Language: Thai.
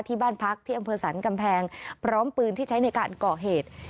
ที่บ้านพักที่อำเภอสรรกำแพงพร้อมปืนที่ใช้ในการก่อเหตุ